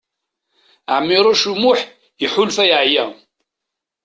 Ɛmiṛuc U Muḥ iḥulfa yeɛya.